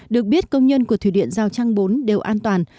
được biết công nhân của thủy điện giao trang bốn đều an toàn